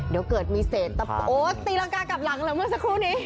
เดี๋ยวเกิดมีเศษตะโอ๊ตตีรังกากลับหลังแล้วเมื่อสักครู่นี้